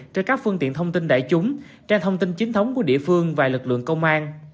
trên các phương tiện thông tin đại chúng trang thông tin chính thống của địa phương và lực lượng công an